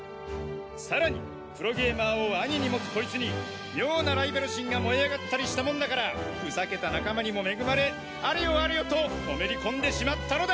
更にプロゲーマーを兄にもつコイツに妙なライバル心が燃え上がったりしたもんだからふざけた仲間にも恵まれあれよあれよとのめり込んでしまったのだ！